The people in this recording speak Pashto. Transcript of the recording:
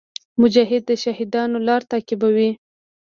مجاهد د شهیدانو لار تعقیبوي.